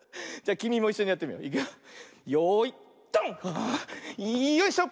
あよいしょ！